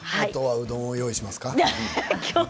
うどんを用意しますか？